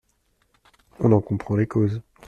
On en comprend les causes.